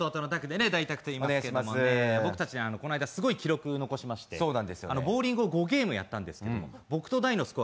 この間すごい記録を残しましてボウリングを５ゲームやったんですよ。